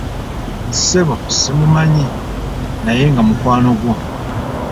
Ssebo simumanyi, naye nga mukwano gwo.